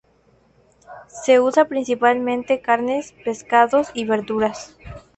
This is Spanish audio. Se usan principalmente carnes, pescados y verduras.